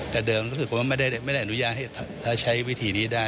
แต่เดิมรู้สึกว่าไม่ได้อนุญาตให้ใช้วิธีนี้ได้